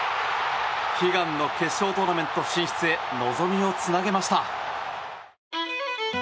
悲願の決勝トーナメント進出へ望みをつなげました。